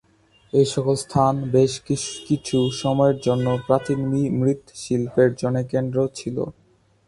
এই সকল স্থান, বেশ কিছু সময়ের জন্য, প্রাচীন মৃৎশিল্পের জনে কেন্দ্র ছিল।